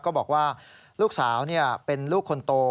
ก็บอกว่าลูกสาวเป็นลูกคนโต